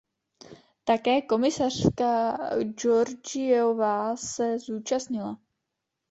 Také komisařka Georgievová se zúčastnila.